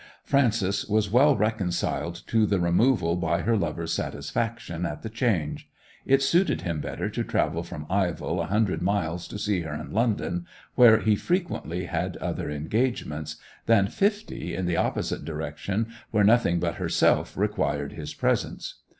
Frances was well reconciled to the removal by her lover's satisfaction at the change. It suited him better to travel from Ivell a hundred miles to see her in London, where he frequently had other engagements, than fifty in the opposite direction where nothing but herself required his presence.